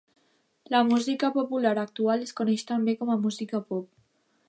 La música popular actual es coneix també com a música pop.